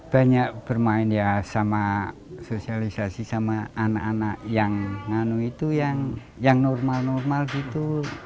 banyak bermain ya sama sosialisasi sama anak anak yang normal normal gitu